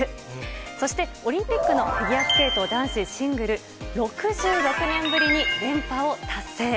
そしてオリンピックのフィギュアスケート男子シングル６６年ぶりに連覇を達成。